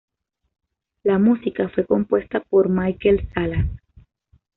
La música fue compuesta por Mikel Salas.